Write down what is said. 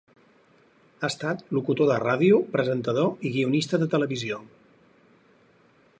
Ha estat locutor de ràdio, presentador i guionista de televisió.